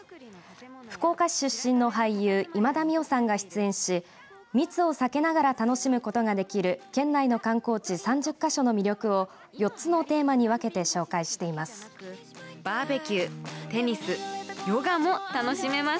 福岡市出身の俳優今田美桜さんが出演し密を避けながら楽しむことができる県内の観光地３０か所の魅力を４つのテーマに分けて紹介しています。